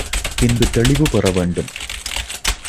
பின்பு தெளிவு பெறவேண்டும்.